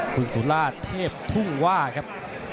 คุณสุราชเทพทุ่งว่าครับ